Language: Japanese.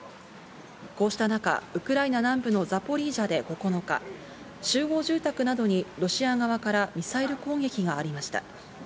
こうした中、ウクライナ南部のザポリージャで９日、集合住宅などにロシア側からミサイル攻撃がありました。